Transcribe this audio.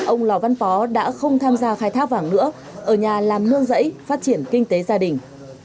ông lò văn phó đã không tham gia khai thác vàng nữa ở nhà làm nương rẫy phát triển kinh tế gia đình